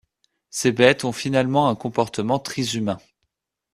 Ces bêtes ont finalement un comportement très humain.